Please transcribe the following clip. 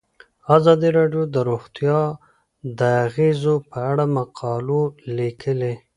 ازادي راډیو د روغتیا د اغیزو په اړه مقالو لیکلي.